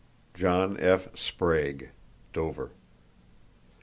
—(John F. Sprague, Dover.)